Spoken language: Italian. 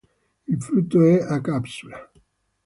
Il frutto è a capsula.